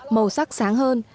màu sắc sáng hơn